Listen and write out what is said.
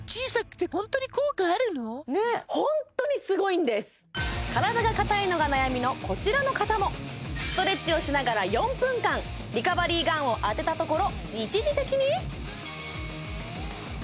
ホンットにすごいんです体が硬いのが悩みのこちらの方もストレッチをしながら４分間リカバリーガンを当てたところ一時的にえ！？